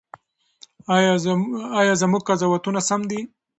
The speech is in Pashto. ایا زموږ قضاوتونه سم دي؟